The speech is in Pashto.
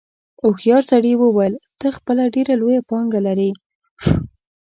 هوښیار سړي وویل ته خپله ډېره لویه پانګه لرې.